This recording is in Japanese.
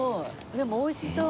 でも美味しそう。